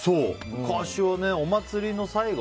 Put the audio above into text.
昔はお祭りの最後。